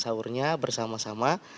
makan sahurnya bersama sama